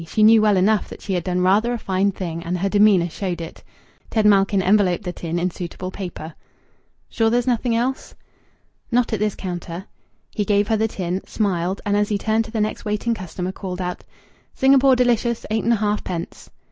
She knew well enough that she had done rather a fine thing, and her demeanour showed it. Ted Malkin enveloped the tin in suitable paper. "Sure there's nothing else?" "Not at this counter." He gave her the tin, smiled, and as he turned to the next waiting customer, called out "Singapore Delicious, eight and a half pence."